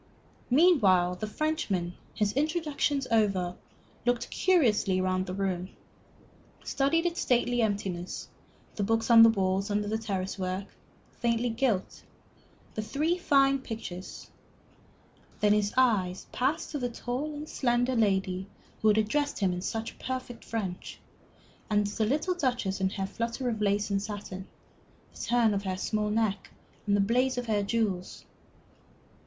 Meanwhile the Frenchman, his introductions over, looked curiously round the room, studied its stately emptiness, the books on the walls under a trellis work, faintly gilt, the three fine pictures; then his eyes passed to the tall and slender lady who had addressed him in such perfect French, and to the little Duchess in her flutter of lace and satin, the turn of her small neck, and the blaze of her jewels.